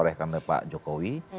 oleh karena pak jokowi